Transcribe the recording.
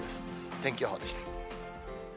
天気予報でした。